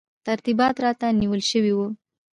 ترتیبات راته نیول شوي وو.